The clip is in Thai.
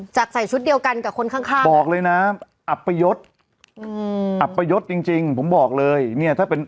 จากใส่ชุดเดียวกันกับคนข้างบอกเลยนะอัพยศอัพยศจริงผมบอกเลย